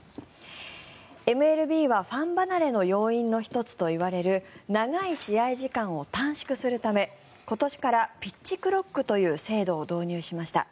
ＭＬＢは、ファン離れの要因の１つといわれる長い試合時間を短縮するため今年からピッチクロックという制度を導入しました。